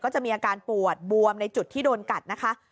จะมีอาการปวดบวมในจุดที่โดนกัดนะคะ